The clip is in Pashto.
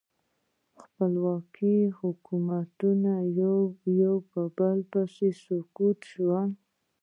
خپلواک حکومتونه یو په بل پسې سقوط شول.